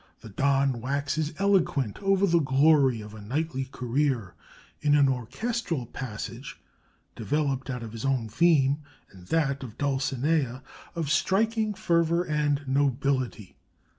The Don waxes eloquent over the glory of a knightly career, in an orchestral passage (developed out of his own theme and that of Dulcinea) of striking fervor and nobility.